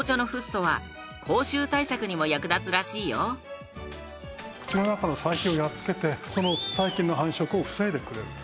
さらに紅茶の口の中の細菌をやっつけてその細菌の繁殖を防いでくれると。